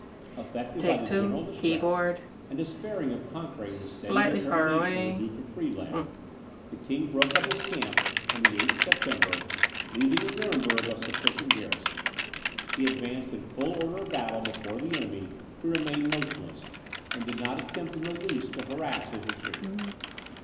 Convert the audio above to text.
Affected by the general distress, and despairing of conquering the steady determination of the Duke of Friedland, the king broke up his camp on the 8th September, leaving in Nuremberg a sufficient garrison. He advanced in full order of battle before the enemy, who remained motionless, and did not attempt in the least to harass his retreat.